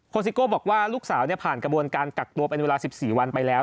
ซิโก้บอกว่าลูกสาวผ่านกระบวนการกักตัวเป็นเวลา๑๔วันไปแล้ว